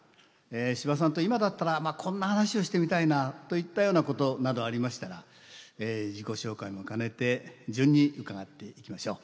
司馬さんと今だったらこんな話をしてみたいなといったようなことなどありましたら自己紹介も兼ねて順に伺っていきましょう。